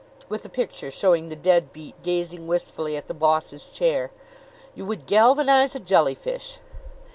with a picture showing the dead beat gazing wistfully at the boss' chair. You would galvanize a jellyfish."